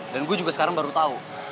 dan gue juga sekarang baru tau